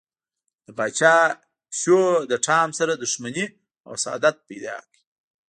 د پاچا پیشو له ټام سره دښمني او حسادت پیدا کړ.